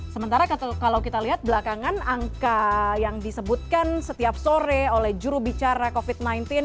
sementara kalau kita lihat belakangan angka yang disebutkan setiap sore oleh jurubicara covid sembilan belas